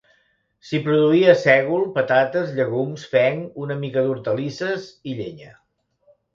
S'hi produïa sègol, patates, llegums, fenc, una mica d'hortalisses i llenya.